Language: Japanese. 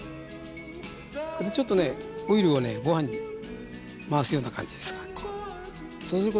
これでちょっとねオイルをご飯に回すような感じですかこう。